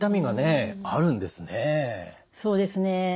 そうですね。